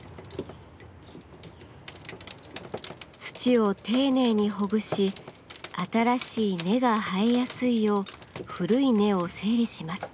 土を丁寧にほぐし新しい根が生えやすいよう古い根を整理します。